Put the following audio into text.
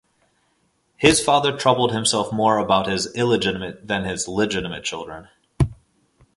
His father troubled himself more about his illegitimate than his legitimate children.